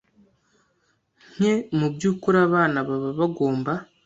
nke Mu by ukuri abana baba bagomba